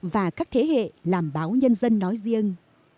và các thế hệ làm báo nhân dân nói riêng